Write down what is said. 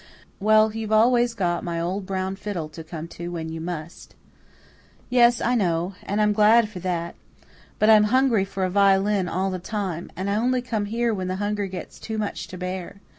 "Well, you've always got my old brown fiddle to come to when you must." "Yes, I know. And I'm glad for that. But I'm hungry for a violin all the time. And I only come here when the hunger gets too much to bear.